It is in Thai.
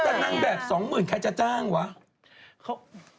แต่นะนางแบบ๒หมื่นใครจะจ้างเหรอครับ